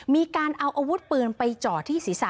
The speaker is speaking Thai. มีการเอาอาวุธปืนไปจ่อที่ศีรษะ